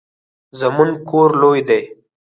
زمونږ کور لوی دی